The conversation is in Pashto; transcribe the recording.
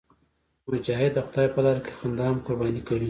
مجاهد د خدای په لاره کې خندا هم قرباني کوي.